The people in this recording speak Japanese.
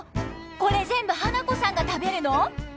これ全部花子さんが食べるの！？」。